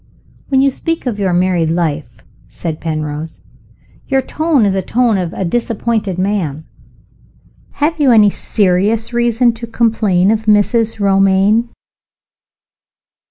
"When you speak of your married life," said Penrose, "your tone is the tone of a disappointed man. Have you any serious reason to complain of Mrs. Romayne?"